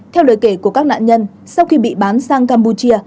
theo lời kể của các nạn nhân sau khi bị bán sang campuchia